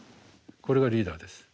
これがリーダーです。